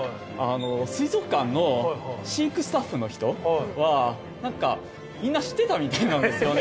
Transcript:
水族館の飼育スタッフの人はみんな知ってたみたいなんですよね。